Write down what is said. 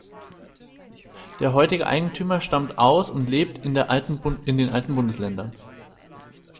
Der heutige Eigentümer stammt aus und lebt in den alten Bundesländern.